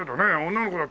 女の子だって。